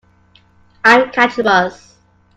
I'll catch a bus.